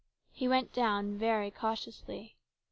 He went down very cautiously.